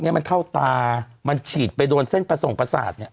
มันเข้าตามันฉีดไปโดนเส้นประสงค์ประสาทเนี่ย